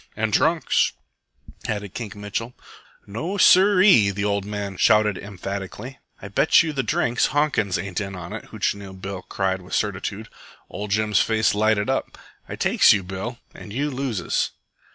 "And drunks," added Kink Mitchell. "No sir ee!" the old man shouted emphatically. "I bet you the drinks Honkins ain't in on it!" Hootchinoo Bill cried with certitude. Ol' Jim's face lighted up. "I takes you, Bill, an' you loses."